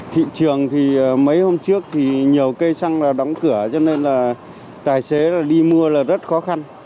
thị trường thì mấy hôm trước thì nhiều cây xăng đóng cửa cho nên là tài xế đi mua là rất khó khăn